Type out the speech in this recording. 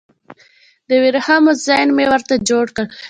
د وریښمو زین مې ورته جوړ کړ